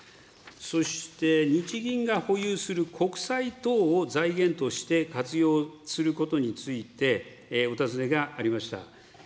そして、日銀が保有する国債等を財源として活用することについて、お尋ねがありました。